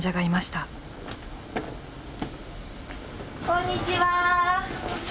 こんにちは。